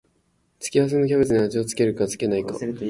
付け合わせのキャベツに味を付けるか付けないか